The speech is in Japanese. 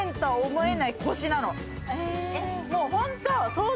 もうホント。